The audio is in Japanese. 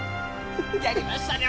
やりましたね